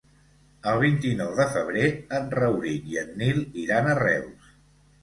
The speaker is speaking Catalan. El vint-i-nou de febrer en Rauric i en Nil iran a Reus.